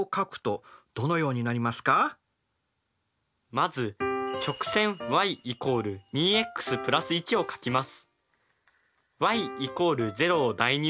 まず直線ｙ＝２ｘ＋１を書きます。